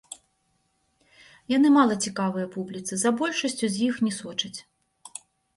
Яны мала цікавыя публіцы, за большасцю з іх не сочаць.